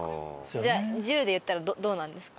じゃあ１０で言ったらどうなんですか？